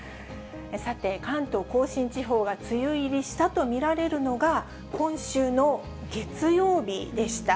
さて、関東甲信地方が梅雨入りしたと見られるのが、今週の月曜日でした。